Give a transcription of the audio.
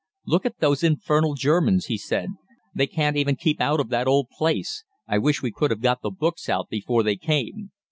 "'Look at those infernal Germans!' he said. 'They can't even keep out of that old place. I wish we could have got the books out before they came.'